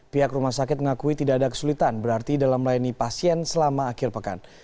pihak rumah sakit mengakui tidak ada kesulitan berarti dalam melayani pasien selama akhir pekan